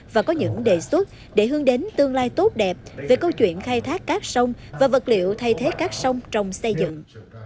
và có những đề xuất để hướng đến tương lai tốt đẹp về câu chuyện khai thác cát sông và vật liệu thay thế các sông trong xây dựng